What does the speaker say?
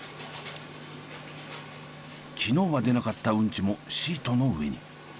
昨日は出なかったウンチもシートの上に。